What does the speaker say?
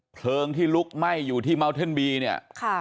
เพลิงที่ลุกไหม้อยู่ที่เมาเท่นบีเนี่ยค่ะ